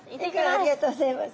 ありがとうございます。